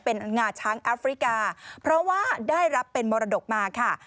เป็นงาช้างแอฟริกาเพราะว่าได้รับเป็นมรดกมาค่ะ